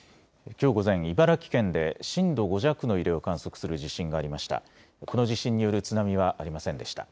きょう午前、茨城県で震度５弱の揺れを観測する地震がありました。